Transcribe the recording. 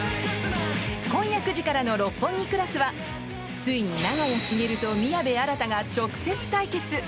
今夜９時からの「六本木クラス」はついに宮部新と長屋茂が直接対決。